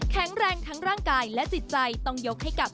แข็งแรงทั้งร่างกายและจิตใจต้องยกให้กับ